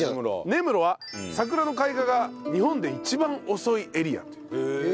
根室は桜の開花が日本で一番遅いエリアという。